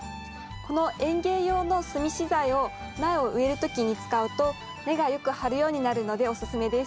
この園芸用の炭資材を苗を植える時に使うと根がよく張るようになるのでおすすめです。